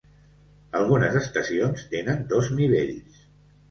Algunes estacions tenen dos nivells.